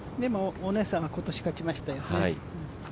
お姉さんは今年勝ちましたよ。